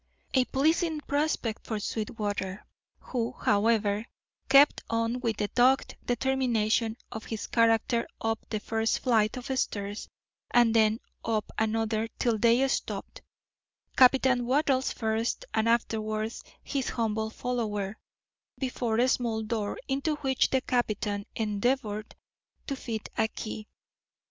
A pleasing prospect for Sweetwater, who, however, kept on with the dogged determination of his character up the first flight of stairs and then up another till they stopped, Captain Wattles first and afterwards his humble follower, before a small door into which the captain endeavoured to fit a key.